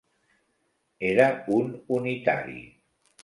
Era un unitari.